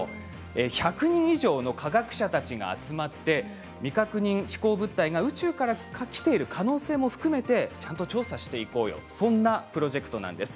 １００名以上の科学者たちが集まって未確認飛行物体が宇宙から来ている可能性も含めてちゃんと調査していこうよというそんなプロジェクトなんです。